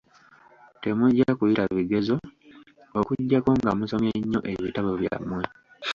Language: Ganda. Temujja kuyita bigezo, okuggyako nga musomye nnyo ebitabo byammwe.